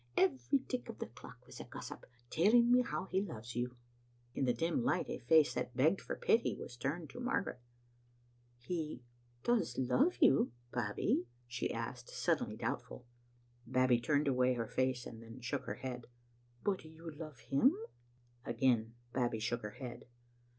Every tick of the clock was a gossip, telling me how he loves you." In the dim light a face that begged for pity was turned to Margaret. "He does love you. Babbie?" she asked, suddenly doubtful. Babbie turned away her face, then shook her head. "But you love him?" Again Babbie shook her head.